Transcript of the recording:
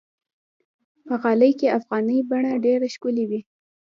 په غالۍ کې افغاني بڼه ډېره ښکلي وي.